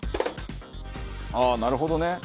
ああなるほどね。